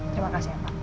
terima kasih pak